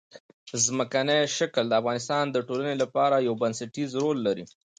ځمکنی شکل د افغانستان د ټولنې لپاره یو بنسټيز رول لري.